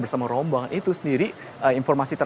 bersama rombongan itu sendiri